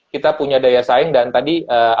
kita punya daya saing dan tadi